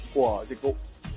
của dịch vụ